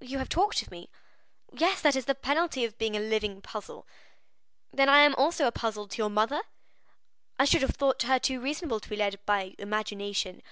"You have talked of me?" "Yes, that is the penalty of being a living puzzle!" "Then I am also a puzzle to your mother? I should have thought her too reasonable to be led by imagination."